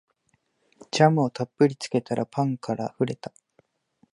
ジャムをたっぷりつけたらパンからあふれた